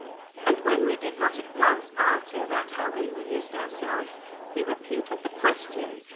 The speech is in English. And when we did not at once answer about how we amused ourselves, he repeated the question.